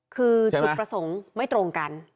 คือจุดประสงค์ไม่ตรงกัน